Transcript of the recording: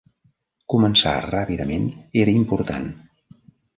Començar ràpidament era important.